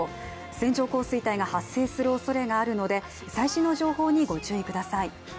線状降水帯が発生するおそれがあるので最新の情報にご注意ください。